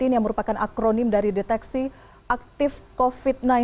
yang merupakan akronim dari deteksi aktif covid sembilan belas